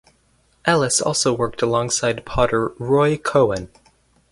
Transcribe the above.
Ellis also worked alongside potter Roy Cowan.